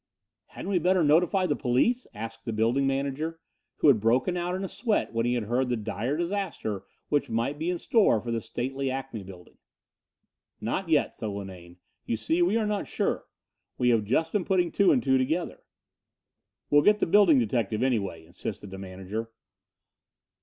"Hadn't we better notify the police?" asked the building manager, who had broken out in a sweat when he heard the dire disaster which might be in store for the stately Acme building. "Not yet," said Linane. "You see, we are not sure: we have just been putting two and two together." "We'll get the building detective, anyway," insisted the manager.